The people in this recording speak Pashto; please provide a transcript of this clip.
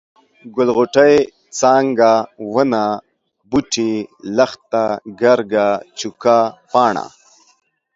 ګل، غوټۍ، څانګه ، ونه ، بوټی، لښته ، ګرګه ، چوکه ، پاڼه،